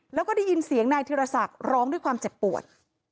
แล้วก็ได้ยินเสียงนายธิรศักดิ์ร้องด้วยความเจ็บปวด